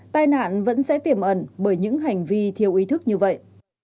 tai nạn vẫn sẽ tiềm ẩn bởi những hành vi thiếu ý thức như vậy